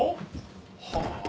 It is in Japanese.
はあ。